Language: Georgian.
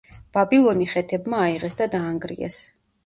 ბაბილონი ხეთებმა აიღეს და დაანგრიეს.